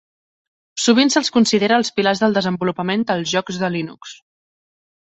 Sovint se'ls considera els pilars del desenvolupament dels jocs de Linux.